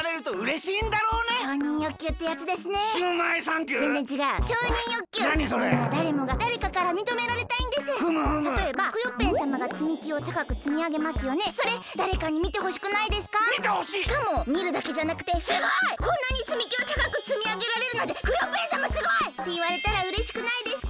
しかもみるだけじゃなくて「すごい！こんなにつみきをたかくつみあげられるなんてクヨッペンさますごい！」っていわれたらうれしくないですか？